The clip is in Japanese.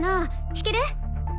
弾ける？